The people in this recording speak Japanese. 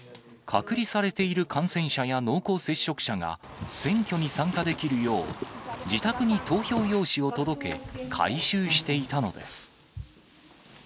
隔離されている感染者や濃厚接触者が選挙に参加できるよう、自宅に投票用紙を届け、回収していたのです。